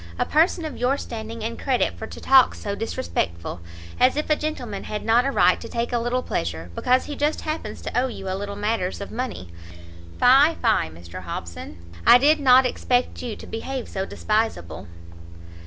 a person of your standing and credit for to talk so disrespectful! as if a gentleman had not a right to take a little pleasure, because he just happens to owe you a little matters of money; fie, fie, Mr Hobson! I did not expect you to behave so despiseable!"